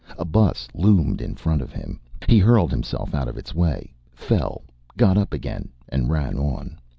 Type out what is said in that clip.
A bus loomed in front of him. He hurled himself out of its way, fell, got up again and ran on.